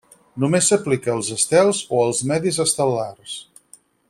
Només s'aplica als estels, o els medis estel·lars.